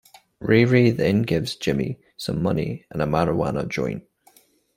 Ray Ray then gives Jimmy some money and a marijuana joint.